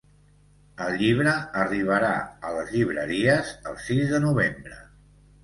El llibre arribarà a les llibreries el sis de novembre.